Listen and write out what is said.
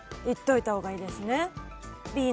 いっといた方がいいですね。